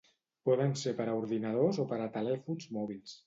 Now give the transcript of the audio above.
Poden ser per a ordinadors o per a telèfons mòbils.